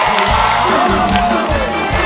ร้องได้